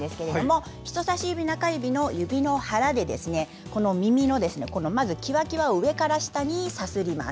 人さし指、中指の指の腹で耳のきわきわを上から下にさすります。